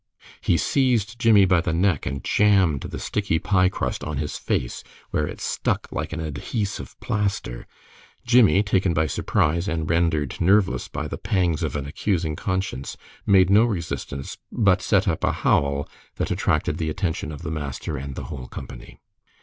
He seized Jimmie by the neck, and jammed the sticky pie crust on his face, where it stuck like an adhesive plaster. Jimmie, taken by surprise, and rendered nerveless by the pangs of an accusing conscience, made no resistance, but set up a howl that attracted the attention of the master and the whole company.